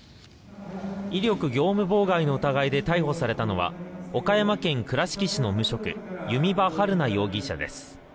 威力業務妨害の疑いで逮捕されたのは岡山県倉敷市の無職弓場晴菜容疑者です。